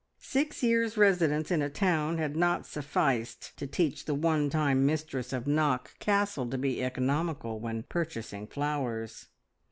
Six years' residence in a town had not sufficed to teach the one time mistress of Knock Castle to be economical when purchasing flowers.